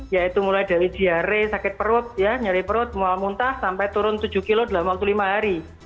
yaitu mulai dari diare sakit perut nyari perut mual muntah sampai turun tujuh kg dalam waktu lima hari